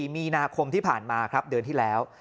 มีนาคมที่ผ่านมาครับเดือนที่แล้ว